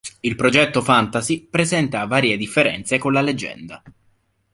Il progetto fantasy presenta varie differenze con la leggenda.